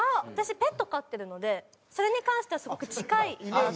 私ペット飼ってるのでそれに関してはすごく近い。